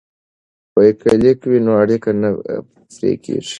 که لیک وي نو اړیکه نه پرې کیږي.